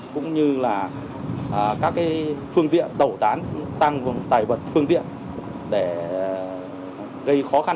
cũng như là các phương tiện tẩu tán tăng tài vật phương tiện để gây khó khăn